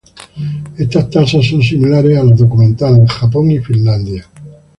Estas tasas son similares a las documentadas en Japón y Finlandia.